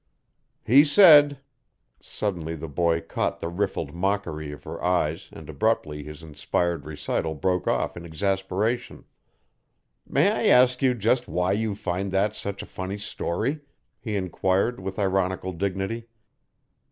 "He said " Suddenly the boy caught the riffled mockery of her eyes and abruptly his inspired recital broke off in exasperation, "May I ask just why you find that such a funny story?" he inquired with ironical dignity.